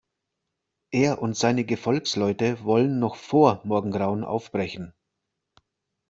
Er und seine Gefolgsleute wollen noch vor Morgengrauen aufbrechen.